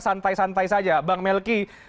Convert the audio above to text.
santai santai saja bang melki